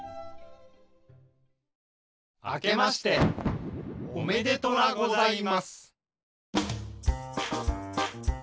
あけましておめでトラございます！